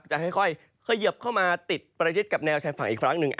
จะค่อยเขยิบเข้ามาติดประชิดกับแนวชายฝั่งอีกครั้งหนึ่ง